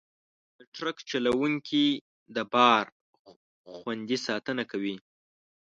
د ټرک چلوونکي د بار خوندي ساتنه کوي.